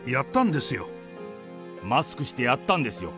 で、マスクしてやったんですよ。